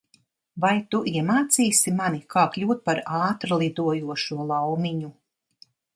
Vai tu iemācīsi mani, kā kļūt par ātrlidojošo laumiņu?